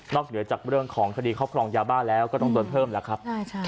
เหนือจากเรื่องของคดีครอบครองยาบ้าแล้วก็ต้องโดนเพิ่มแล้วครับ